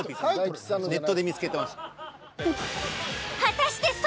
ネットで見つけてました。